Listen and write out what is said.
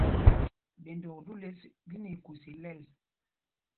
Ɓendok ɗû lěs lí nɛ ikûs ilɛl.